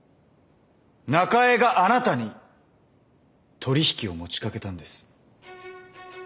中江があなたに取り引きを持ちかけたんです。